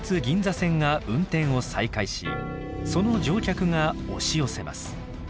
銀座線が運転を再開しその乗客が押し寄せます。